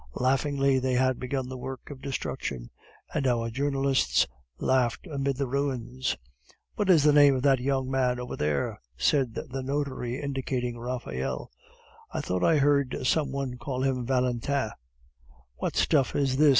Laughingly they had begun the work of destruction, and our journalists laughed amid the ruins. "What is the name of that young man over there?" said the notary, indicating Raphael. "I thought I heard some one call him Valentin." "What stuff is this?"